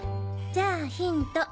じゃあヒント。